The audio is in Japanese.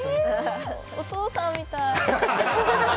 お父さんみたーい。